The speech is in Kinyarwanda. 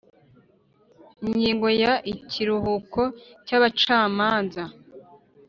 Ingingo ya Ikiruhuko cy abacamanza